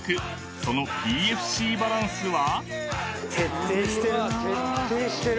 ［そのＰＦＣバランスは］